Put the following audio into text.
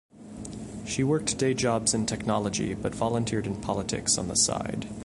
She worked day jobs in technology but volunteered in politics on the side.